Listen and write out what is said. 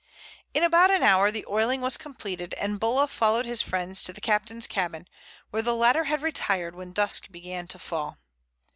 In about an hour the oiling was completed, and Bulla followed his friends to the captain's cabin, where the latter had retired when dusk began to fall.